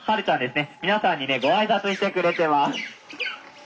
皆さんにねご挨拶してくれてます」。